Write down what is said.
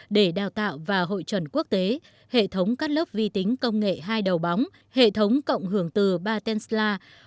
để đào tạo và hội chuẩn quốc tế hệ thống cắt lớp vi tính công nghệ hai đầu bóng hệ thống cộng hưởng từ ba tesla